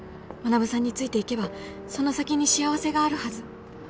学さんについていけばその先に幸せがあるはず